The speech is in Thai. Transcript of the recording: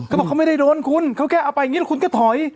เขาบอกเขาไม่ได้โดนคุณเขาแค่เอาไปอย่างนี้แล้วคุณก็ถอย